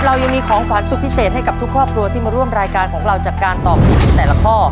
เรายังมีของขวัญสุดพิเศษให้กับทุกครอบครัวที่มาร่วมรายการของเราจากการตอบถูกในแต่ละข้อ